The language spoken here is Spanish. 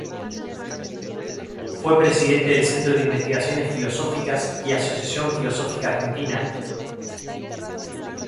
Fue Presidente del Centro de Investigaciones Filosóficas y la Asociación Filosófica Argentina.